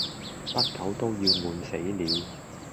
不久都要悶死了，